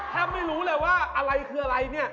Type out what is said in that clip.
ไม่รู้เลยว่าอะไรคืออะไรเนี่ย